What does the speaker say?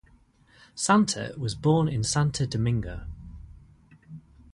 Santa was born in Santo Domingo.